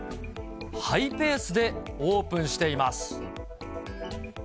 ハイペースでオープンしています。